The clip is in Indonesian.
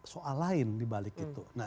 soal lain dibalik itu